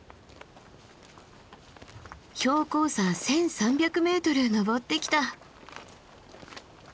標高差１，３００ｍ登ってきた。